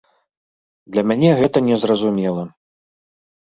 Для мяне гэта незразумела.